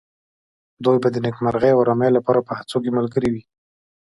دوی به د نېکمرغۍ او آرامۍ لپاره هڅو کې ملګري وي.